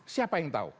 siapa yang tahu